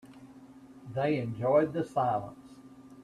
They enjoyed the silence.